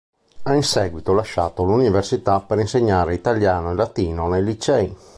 Ha in seguito lasciato l'Università per insegnare italiano e latino nei licei.